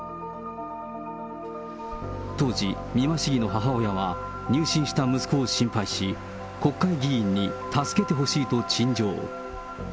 当時、美馬市議の母親は、入信した息子を心配し、国会議員に助けてほしいと陳情。